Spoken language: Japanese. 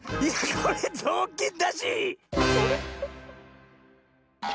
これぞうきんだし！